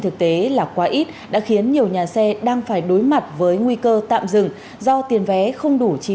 thưa quý vị tại các cây cầu thì